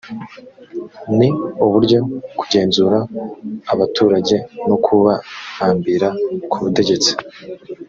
ni uburyo kugenzura abaturage no kubahambira ku butegetsi